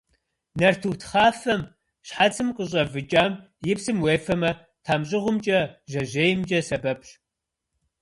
Нартыху тхъафэм, щхьэцым къыщӀэвыкӀам и псым уефэмэ, тхьэмщӀыгъумкӀэ, жьэжьеймкӀэ сэбэпщ.